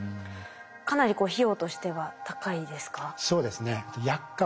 かなり費用としては高いですか？